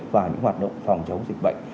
vào những hoạt động phòng chống dịch bệnh